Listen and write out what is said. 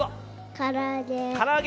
からあげ。